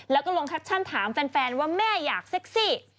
แล้วก็ลงแคปชั่นถามแฟนว่าแม่อยากเซ็กซี่